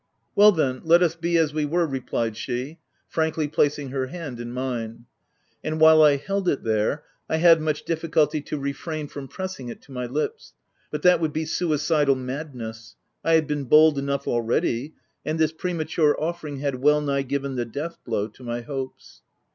" Well then ! let us be as we were," replied she, frankly placing her hand in mine; and OF WILDFELL HALL. 149 while I held it there, I had much difficulty to refrain from pressing it to my lips ;— but that would be suicidal madness : I had been bold enough already, and this premature offering had well nigh given the death blow to my hopes.